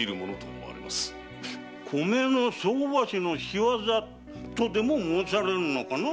米の相場師の仕業とでも申されるのかな